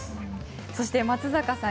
そして松坂さん